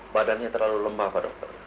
badannya terlalu lemah pak dokter